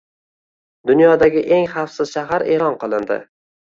Dunyodagi eng xavfsiz shahar e’lon qilindi